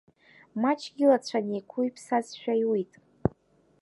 Маҷк илацәа неиқәиԥсазшәа иуит.